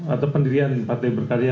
atau pendirian partai berkarya